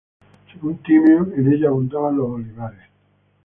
Según Timeo en ella abundaban los olivares.